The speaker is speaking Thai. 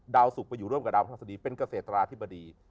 สุขไปอยู่ร่วมกับดาวพระราชดีเป็นเกษตราธิบดี